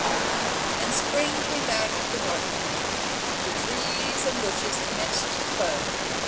And Spring came back to the Northland. The trees and bushes commenced to bud.